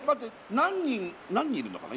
何人いるのかな？